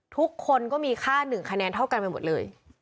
ทุกคนก็มีค่า๑คะแนนเท่ากันไปหมดเลย